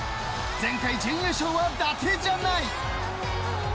前回準優勝は伊達じゃない。